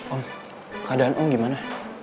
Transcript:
om keadaan om gimana